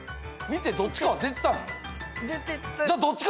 見てどっちかは出てた。